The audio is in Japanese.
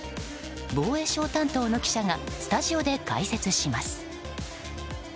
防衛省担当の記者がスタジオで解説します。